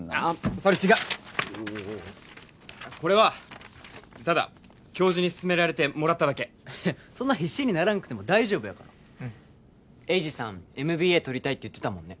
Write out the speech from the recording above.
それ違うおーおーおーこれはただ教授に勧められてもらっただけそんな必死にならんくても大丈夫やから栄治さんＭＢＡとりたいって言ってたもんね